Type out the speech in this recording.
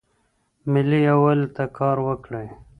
ملي یووالي ته کار وکړئ.